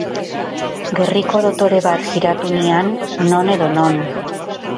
Gerriko dotore bat jiratu nian non edo non...